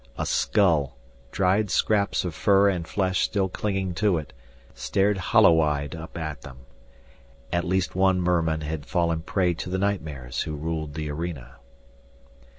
A skull, dried scraps of fur and flesh still clinging to it, stared hollow eyed up at them. At least one merman had fallen prey to the nightmares who ruled the arena.